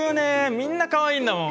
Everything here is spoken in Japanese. みんなかわいいんだもん。